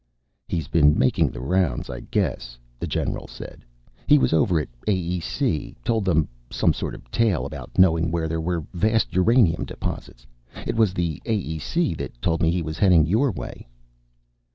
"He's been making the rounds, I guess," the general said. "He was over at AEC. Told them some sort of tale about knowing where there were vast uranium deposits. It was the AEC that told me he was heading your way."